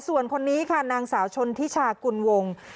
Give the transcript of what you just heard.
ส่วนคนนี้ค่ะนางสาวชนทิชากุลวง